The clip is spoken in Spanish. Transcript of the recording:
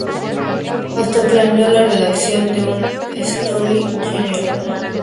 Hasta planeó la redacción de una "Histoire generale".